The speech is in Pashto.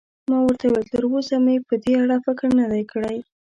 ما ورته وویل: تراوسه مې په دې اړه فکر نه دی کړی.